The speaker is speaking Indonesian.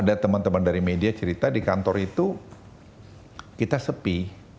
ada teman teman dari media cerita di kantor itu kita sepi